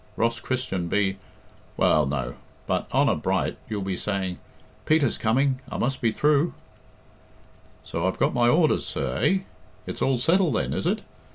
"Ross Christian be well, no; but, honour bright, you'll be saying, 'Peter's coming; I must be thrue!'" "So I've got my orders, sir, eh? It's all settled then, is it?